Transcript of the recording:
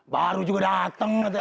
baru juga dateng katanya